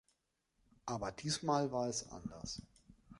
Aber diesmal war es anders.